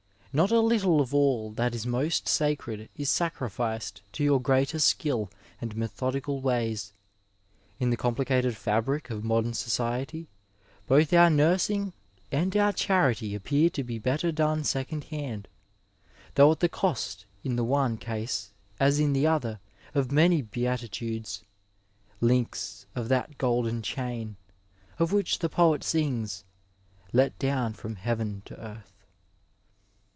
Not a little of all that is most sacred is sacrificed to your greater skill and methodical ways. In the com plicated &bric of modem society both our nursing and our charity appear to be better done second hand, though at the cost in the one case as in the other of many Beatitudes, links of that golden chain, of which the poet sings, let down from heaven to earth.